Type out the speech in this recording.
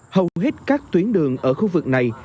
hầu hết các tuyến đường ở khu vực này